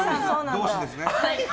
同志ですね。